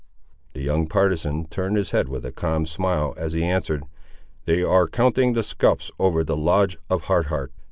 The young partisan turned his head with a calm smile as he answered "They are counting the scalps over the lodge of Hard Heart!"